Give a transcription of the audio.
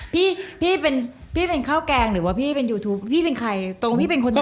พี่เป็นข้าวแกงหรือว่าพี่เป็นยูทูปพี่เป็นใครตรงพี่เป็นคนไหน